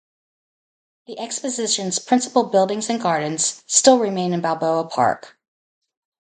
The exposition's principal buildings and gardens still remain in Balboa Park.